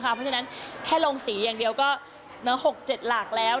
เพราะฉะนั้นแค่ลงสีอย่างเดียวก็๖๗หลากแล้ว